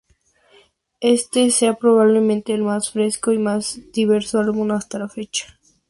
Este sea probablemente el más fresco y más diverso álbum hasta la fecha.